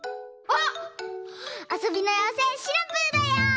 あそびのようせいシナプーだよ！